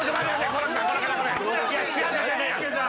コロッケさん！